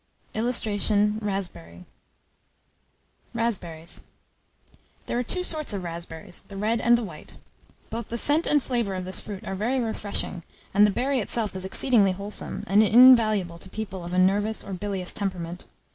[Illustration: RASPBERRY.] RASPBERRIES. There are two sorts of raspberries, the red and the white. Both the scent and flavour of this fruit are very refreshing, and the berry itself is exceedingly wholesome, and invaluable to people of a nervous or bilious temperament.